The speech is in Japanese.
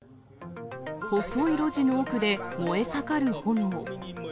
細い路地の奥で燃え盛る炎。